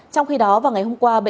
trong khi đó vào ngày hôm qua